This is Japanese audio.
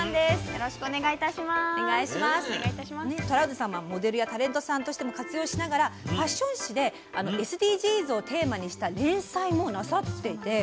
トラウデンさんはモデルやタレントさんとしても活躍しながらファッション誌でＳＤＧｓをテーマにした連載もなさっていて。